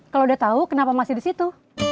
kalau udah tahu kenapa masih di situ